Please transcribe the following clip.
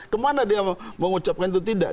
kemana dia mengucapkan itu tidak